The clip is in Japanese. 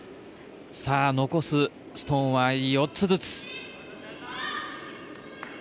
残すストーンは４つずつ。